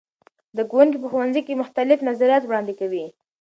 زده کوونکي په ښوونځي کې مختلف نظریات وړاندې کوي.